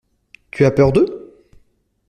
Tu as peur d’eux ?